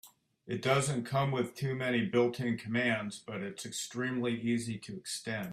It doesn't come with too many built-in commands, but it's extremely easy to extend.